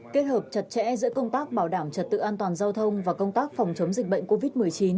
kết hợp chặt chẽ giữa công tác bảo đảm trật tự an toàn giao thông và công tác phòng chống dịch bệnh covid một mươi chín